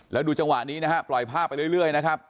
แล้วดูจังหวะนี้นะฮะปล่อยภาพไปเรื่อยนะครับ